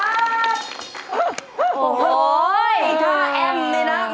แล้วต้องอาจจะโดนไอซ์พริกนะครับ